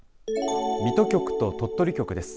水戸局と鳥取局です。